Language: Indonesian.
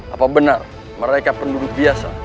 apa benar mereka penduduk biasa